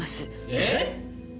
えっ！？